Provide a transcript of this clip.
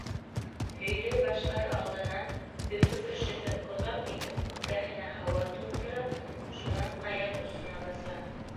Һөйләй башлар алдынан Өфө кешеһе оҙаҡ итеп үпкәһенә һауа тултыра, шунан аяҡ осона баҫа.